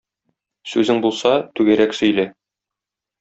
Сүзең булса, түгәрәк сөйлә.